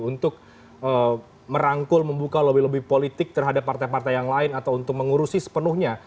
untuk merangkul membuka lebih lebih politik terhadap partai partai yang lain atau untuk mengurusi sepenuhnya